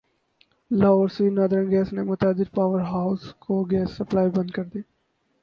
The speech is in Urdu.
لاہور سوئی ناردرن گیس نے متعدد پاور ہاسز کو گیس سپلائی بند کر دی